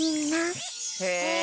へえ！